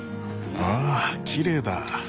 わあきれいだ！